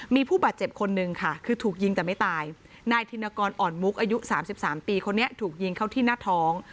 มีผู้บาดเจ็บคนนึงค่ะคือถูกยิงแต่ไม่ตายนายธินกรอ่อนมุกอายุ๓๓ปีคนนี้ถูกยิงเข้าที่หน้าท้อง